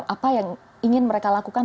apa yang ingin mereka lakukan